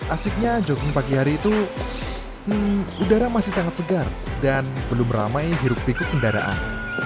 asiknya jogging pagi hari itu udara masih sangat segar dan belum ramai hiruk pikuk kendaraan